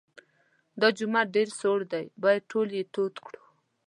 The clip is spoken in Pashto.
دا جومات ډېر سوړ دی باید ټول یې تود کړو.